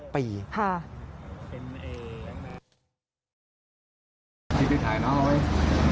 คลิปที่ถ่ายนะเอาไว้